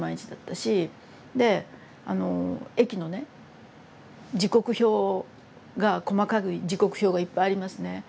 であの駅のね時刻表が細かい時刻表がいっぱいありますね。